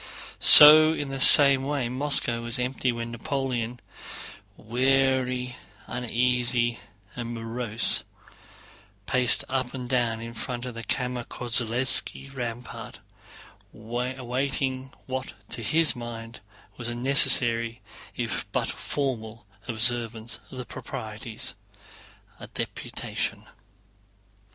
So in the same way Moscow was empty when Napoleon, weary, uneasy, and morose, paced up and down in front of the Kámmer Kollézski rampart, awaiting what to his mind was a necessary, if but formal, observance of the proprieties—a deputation.